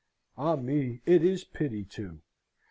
Ah me! it is pity, too.